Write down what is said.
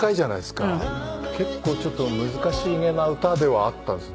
結構ちょっと難しめな歌ではあったんです。